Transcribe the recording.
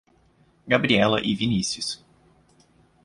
Gabriela e Vinícius